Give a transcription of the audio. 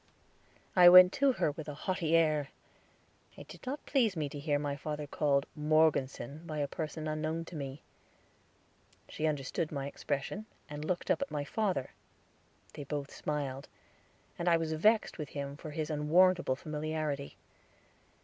I went to her with a haughty air; it did not please me to hear my father called "Morgeson," by a person unknown to me. She understood my expression, and looked up at father; they both smiled, and I was vexed with him for his unwarrantable familiarity.